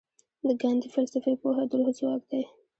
د ګاندي فلسفي پوهه د روح ځواک دی.